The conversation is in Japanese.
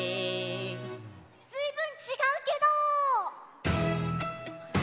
ずいぶんちがうけど！？